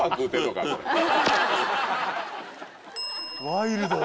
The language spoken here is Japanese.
ワイルド。